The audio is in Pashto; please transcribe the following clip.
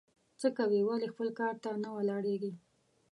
څه کوې ؟ ولي خپل کار ته نه ولاړېږې؟